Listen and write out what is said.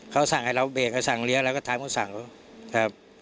เขาสั่งให้เราเบรกสั่งเลี้ยเราก็ตามเขาสั่งแล้ว